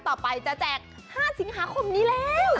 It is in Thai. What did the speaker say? ต่อไปจะแจก๕สิงหาคมนี้แล้ว